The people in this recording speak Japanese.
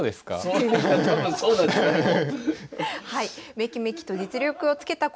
めきめきと実力をつけた小山さん。